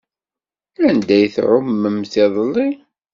Anda ay tɛumemt iḍelli?